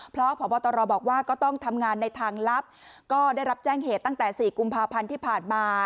เพราะพบตรบอกว่าก็ต้องทำงานในทางลับก็ได้รับแจ้งเหตุตั้งแต่๔กุมภาพันธ์ที่ผ่านมา